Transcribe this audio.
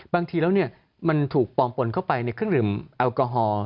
บางทีแล้วมันถูกปลอมปนเข้าไปในเครื่องดื่มแอลกอฮอล์